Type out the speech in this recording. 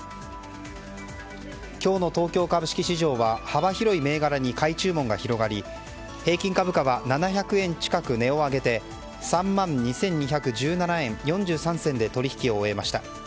今日の東京株式市場は幅広い銘柄に買い注文が広がり平均株価は７００円近く値を上げて３万２２１７円４３銭で取引を終えました。